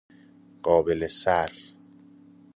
قابل صرف